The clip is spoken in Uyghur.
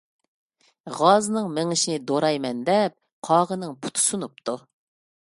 غازنىڭ مېڭىشىنى دورايمەن دەپ قاغىنىڭ پۇتى سۇنۇپتۇ.